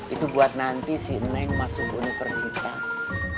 itu buat nanti si neng masuk universitas